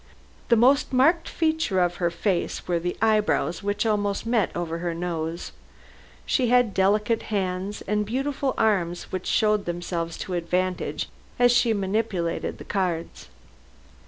The most marked feature of her face were the eyebrows, which almost met over her nose. She had delicate hands and beautiful arms which showed themselves to advantage as she manipulated the cards.